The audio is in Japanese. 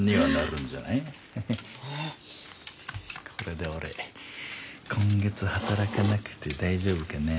これで俺今月働かなくて大丈夫かな。